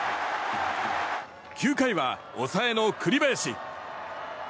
９回は抑えの栗林。